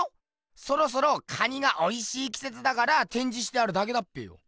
そろそろ蟹がおいしいきせつだからてんじしてあるだけだっぺよ。